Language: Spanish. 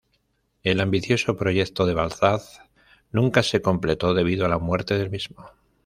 El ambicioso proyecto de Balzac nunca se completó debido a la muerte del mismo.